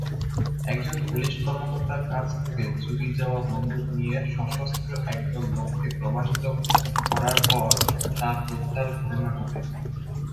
একজন পুলিশ কর্মকর্তার কাছ থেকে চুরি যাওয়া বন্দুক নিয়ে সশস্ত্র একদল লোককে প্রতিহত করার পর তার হত্যার ঘটনা ঘটে।